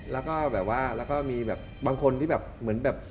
แล้วก็แบบว่าแล้วก็มีแบบบางคนที่แบบเหมือนแบบ